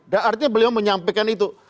dan artinya beliau menyampaikan itu